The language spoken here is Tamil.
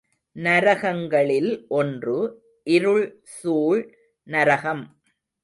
நரகங்களில் ஒன்று இருள்சூழ் நரகம்.